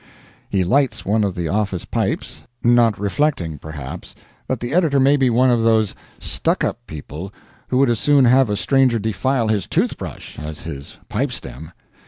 He lights one of the office pipes not reflecting, perhaps, that the editor may be one of those "stuck up" people who would as soon have a stranger defile his tooth brush as his pipe stem.